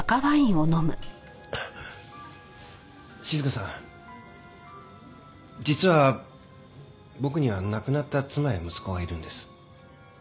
静香さん実は僕には亡くなった妻や息子がいるんです。